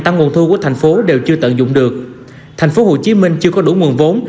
tăng nguồn thu của thành phố đều chưa tận dụng được thành phố hồ chí minh chưa có đủ nguồn vốn